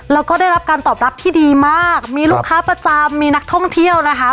แล้วก็ได้รับการตอบรับที่ดีมากมีลูกค้าประจำมีนักท่องเที่ยวนะคะ